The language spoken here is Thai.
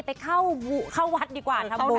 ไปเก่าวัดดีกว่า